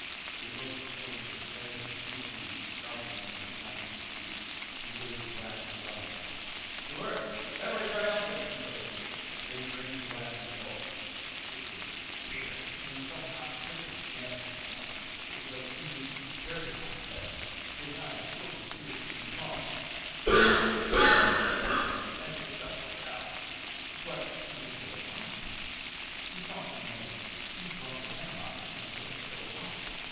He looked at the cylinder, then at the Steel Blues crowding around the plastic igloo. He waved the glass at the audience. "To Earth, ever triumphant," he toasted. Then he drained the glass at a gulp. Its taste was bitter, and he felt hot prickles jab at his scalp. It was like eating very hot peppers. His eyes filled with tears. He coughed as the stuff went down. But he was still alive, he thought in amazement. He'd drunk the hemlock and was still alive.